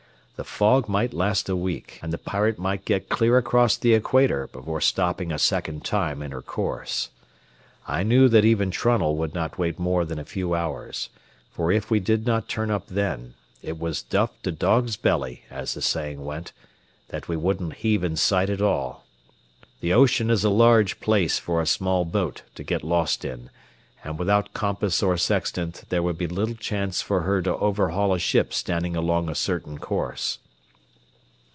The fog might last a week, and the Pirate might get clear across the equator before stopping a second time in her course. I knew that even Trunnell would not wait more than a few hours; for if we did not turn up then, it was duff to dog's belly, as the saying went, that we wouldn't heave in sight at all. The ocean is a large place for a small boat to get lost in, and without compass or sextant there would be little chance for her to overhaul a ship standing along a certain course.